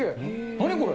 何これ？